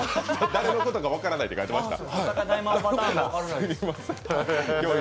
誰のことか分からないって書いてました？